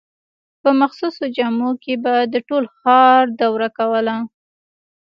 په مخصوصو جامو کې به د ټول ښار دوره کوله.